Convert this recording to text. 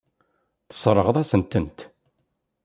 Tesseṛɣeḍ-as-tent.